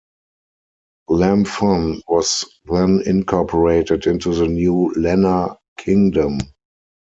Lamphun was then incorporated into the new Lanna Kingdom.